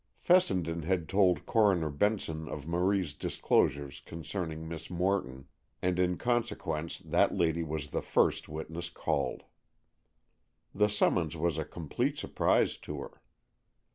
Fessenden had told Coroner Benson of Marie's disclosures concerning Miss Morton, and in consequence that lady was the first witness called. The summons was a complete surprise to her.